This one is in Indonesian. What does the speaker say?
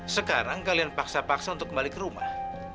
sekarang kalian paksa paksa untuk kembali ke rumah